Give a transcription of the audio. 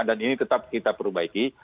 dan ini tetap kita perbaiki